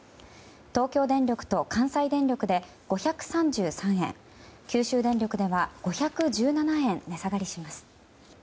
東京電力と関西電力で５３３円九州電力では５１７円値下がりします。